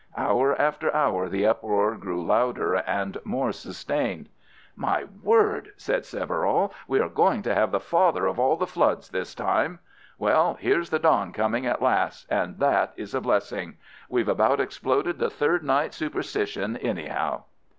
Hour after hour the uproar grew louder and more sustained. "My word," said Severall, "we are going to have the father of all the floods this time. Well, here's the dawn coming at last and that is a blessing. We've about exploded the third night superstition anyhow."